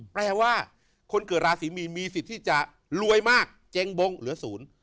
แปลว่าคนเกิดราศีมีนมีสิทธิ์ที่จะรวยมากเจ๊งบงเหลือศูนย์